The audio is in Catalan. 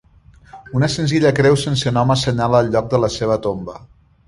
Una senzilla creu sense nom assenyala el lloc de la seva tomba.